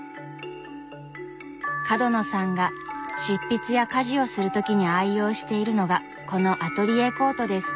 角野さんが執筆や家事をする時に愛用しているのがこのアトリエコートです。